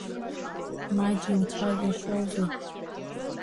Маџь, иуцәажәашьоузеи?!